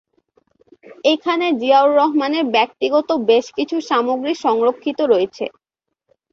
এখানে জিয়াউর রহমানের ব্যক্তিগত বেশ কিছু সামগ্রী সংরক্ষিত রয়েছে।